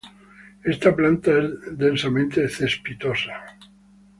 Esta planta es densamente cespitosa.